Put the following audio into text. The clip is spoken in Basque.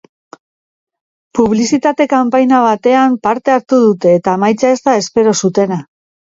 Publizitate-kanpaina batean parte hartu dute eta emaitza ez da espero zutena.